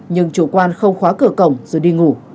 nhưng chủ quan không khóa cửa cổng rồi đi ngủ